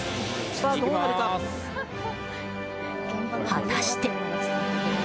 果たして。